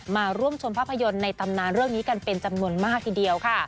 มาร่วมชมภาพยนตร์ในตำนานเรื่องนี้กันเป็นจำนวนมากทีเดียวค่ะ